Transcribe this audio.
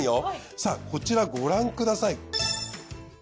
さあこちらご覧ください。